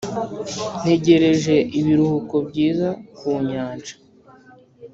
] ntegereje ibiruhuko byiza ku nyanja.